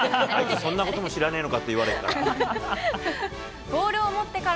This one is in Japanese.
そんなことも知らねえのかって言われるから。